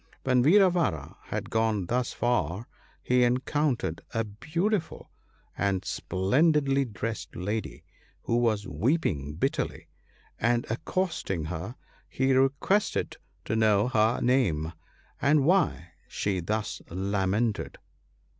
When Vira vara had gone thus far he encountered a beautiful and splendidly dressed lady who was weeping bitterly; and accosting her, he requested to know her name, and why she thus lamented.